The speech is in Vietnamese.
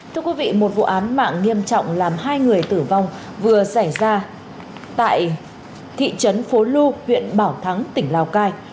thưa quý vị một vụ án mạng nghiêm trọng làm hai người tử vong vừa xảy ra tại thị trấn phố lu huyện bảo thắng tỉnh lào cai